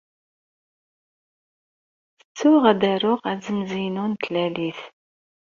Ttettuɣ ad aruɣ azemz-inu n tlalit.